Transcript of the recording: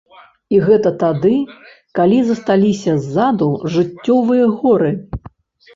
І гэта тады, калі засталіся ззаду жыццёвыя горы.